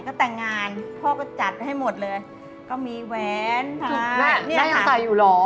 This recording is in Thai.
ก็แต่งงานพ่อก็จัดให้หมดเลยก็มีแวนพานี่ค่ะน่ายังใส่อยู่หรอ